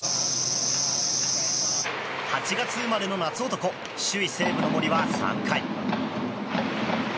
８月生まれの夏男首位、西武の森は３回。